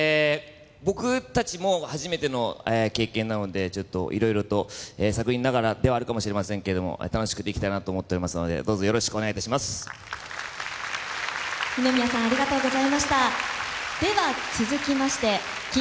僕たちも初めての経験なのでいろいろと探りながらではあるかもしれませんけれども楽しくできたらなと思っておりますのでどうぞよろしくお願いいたします